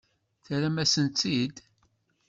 Terram-asen-tt-id?